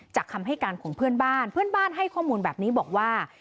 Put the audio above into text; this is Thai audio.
คำให้การของเพื่อนบ้านเพื่อนบ้านให้ข้อมูลแบบนี้บอกว่า